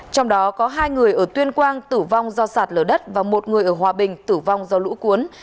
trong đó có hai người ở tuyên quang tử vong do sạt lở đất và một người ở hòa bình tử vong do lũ cuốn